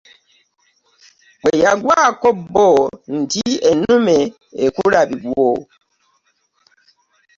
Bwe yagwa ko bbo nti “ ennume ekula bigwo .”